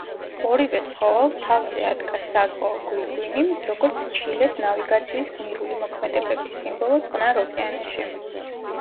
ორივე ცხოველს, თავზე ადგას საზღვაო გვირგვინი, როგორც ჩილეს ნავიგაციის გმირული მოქმედებების სიმბოლო წყნარ ოკეანეში.